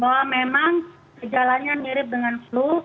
bahwa memang gejalanya mirip dengan flu